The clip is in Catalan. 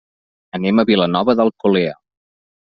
Anem a Vilanova d'Alcolea.